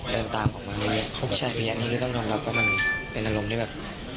เดินตามของมันพวกชายพี่อันนี้คือต้องรับว่ามันเป็นอารมณ์ที่แบบ